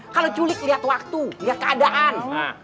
kalau culik lihat waktu lihat keadaan